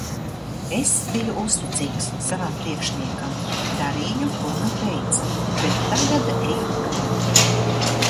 Es biju uzticīgs savam priekšniekam, darīju, ko man teica, bet tagad eju prom.